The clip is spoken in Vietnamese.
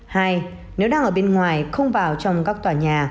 hai nếu đang ở bên ngoài không vào trong các tòa nhà